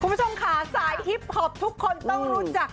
คุณผู้ชมค่ะสายฮิปพอปทุกคนต้องรู้จัก